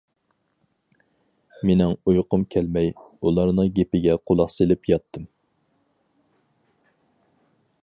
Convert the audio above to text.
مېنىڭ ئۇيقۇم كەلمەي، ئۇلارنىڭ گېپىگە قۇلاق سېلىپ ياتتىم.